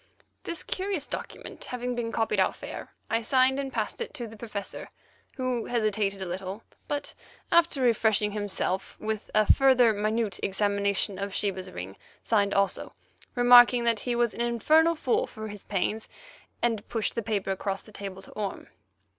This curious document having been copied out fair, I signed and passed it to the Professor, who hesitated a little, but, after refreshing himself with a further minute examination of Sheba's ring, signed also, remarking that he was an infernal fool for his pains, and pushed the paper across the table to Orme.